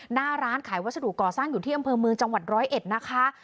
หน้าร้านขายวัสดุก่อสร้างอยู่ที่อำเภอเมืองจังหวัดร้อยเอ็ดนะคะ